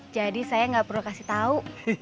jadi saya nggak perlu kasih tahu